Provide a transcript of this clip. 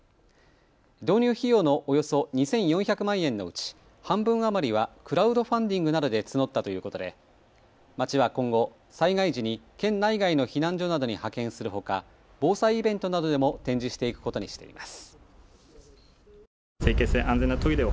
導入費用のおよそ２４００万円のうち半分余りはクラウドファンディングなどで募ったということで町は今後、災害時に県内外の避難所などに派遣するほか防災イベントなどでも展示していくことにしています。